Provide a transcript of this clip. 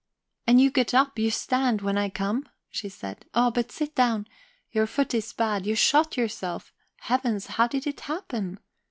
"And you get up, you stand, when I come?" she said. "Oh, but sit down. Your foot is bad, you shot yourself. Heavens, how did it happen?